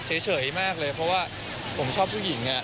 เฉยมากเลยเพราะว่าผมชอบผู้หญิง